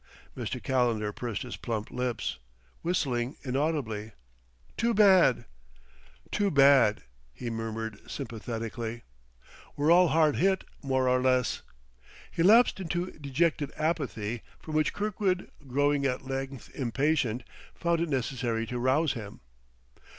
'" Mr. Calendar pursed his plump lips, whistling inaudibly. "Too bad, too bad!" he murmured sympathetically. "We're all hard hit, more or less." He lapsed into dejected apathy, from which Kirkwood, growing at length impatient, found it necessary to rouse him.